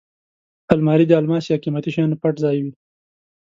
الماري د الماس یا قېمتي شیانو پټ ځای وي